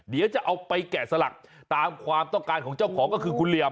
เดี๋ยวจะเอาไปแกะสลักตามความต้องการของเจ้าของก็คือคุณเหลี่ยม